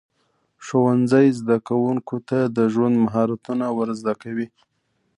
ښوونځی زده کوونکو ته د ژوند مهارتونه ورزده کوي.